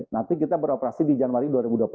nanti kita beroperasi di januari dua ribu dua puluh satu